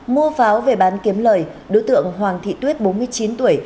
mua pháo về bán kiếm lời đối tượng hoàng thị tuyết bốn mươi chín tuổi